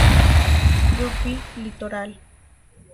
Rugby Litoral